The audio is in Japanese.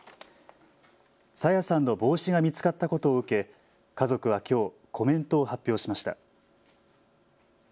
朝芽さんの帽子が見つかったことを受け、家族はきょう、コメントを発表しました。